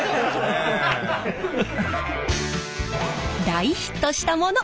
大ヒットしたもの。